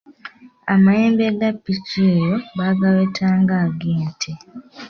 Amayembe ga ppiki eyo baagaweta ng’agente.